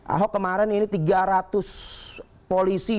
ahok kemarin ini tiga ratus polisi